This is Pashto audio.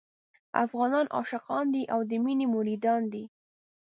افغانان عاشقان دي او د مينې مريدان دي.